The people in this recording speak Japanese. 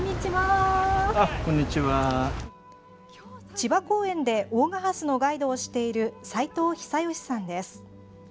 千葉公園で大賀ハスのガイドをしている斉藤久芳さんです。